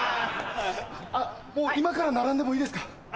もう今から並んでもいいですか？